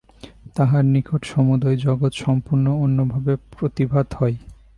তাঁহার নিকট সমুদয় জগৎ সম্পূর্ণ অন্যভাবে প্রতিভাত হয়।